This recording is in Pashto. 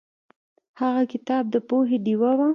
هغه کتاب د پوهې ډیوه وه.